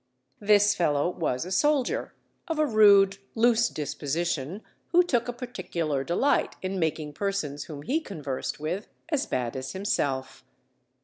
This fellow was a soldier, of a rude, loose disposition, who took a particular delight in making persons whom he conversed with as bad as himself.